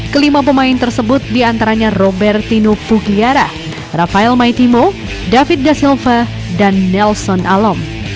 kelima pemain tersebut diantaranya robertino pugiara rafael maitimo david da silva dan nelson alom